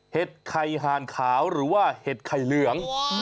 ไข่หานขาวหรือว่าเห็ดไข่เหลือง